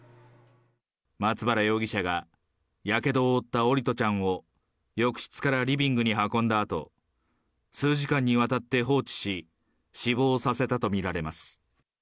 松原容疑者が、やけどを負った桜利斗ちゃんを浴室からリビングに運んだあと、数時間にわたって放置し、死亡させたと見られます。